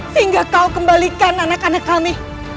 sehingga kau kembalikan anak anak kami